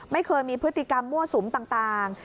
ไม่เคยมีพฤติกรรมมั่วสุมต่าง